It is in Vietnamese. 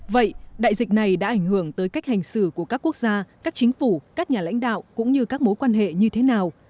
vậy đại dịch này đã ảnh hưởng tới cách hành xử của các quốc gia các chính phủ các nhà lãnh đạo cũng như các mối quan hệ như thế nào